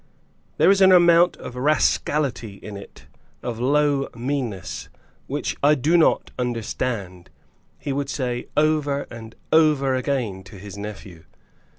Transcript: "There is an amount of rascality in it, of low meanness, which I do not understand," he would say over and over again to his nephew.